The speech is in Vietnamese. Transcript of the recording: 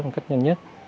cách nhanh nhất